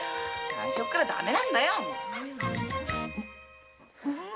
最初っから駄目なんだよ！